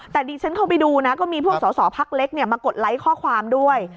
แต่ดิฉันเข้าไปดูนะก็มีพวกสอสอพักเล็กมากดไลค์ข้อความด้วย